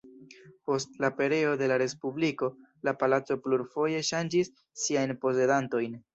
Post la pereo de la respubliko la palaco plurfoje ŝanĝis siajn posedantojn.